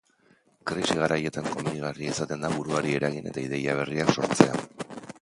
Krisi garaietan komenigarria izaten da buruari eragin eta ideia berriak sortzea.